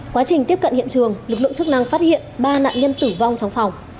quá trình tiếp cận hiện trường lực lượng chức năng phát hiện ba nạn nhân tử vong trong phòng